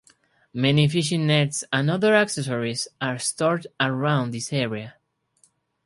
Many fishing nets and other accessories are stored around this area.